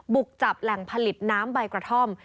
บุกจับแหล่งผลิตน้ำใบกระท่อม